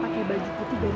pasti bakang ada kehebohan